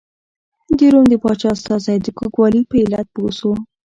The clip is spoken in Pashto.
د روم د پاچا استازی د کوږوالي په علت پوه شو.